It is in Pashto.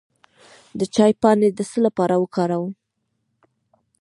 د چای پاڼې د څه لپاره وکاروم؟